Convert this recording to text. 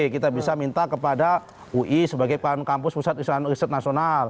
kita bisa minta kepada ui sebagai kampus pusat riset nasional